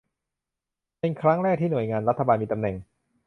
เป็นครั้งแรกที่หน่วยงานรัฐบาลมีตำแหน่ง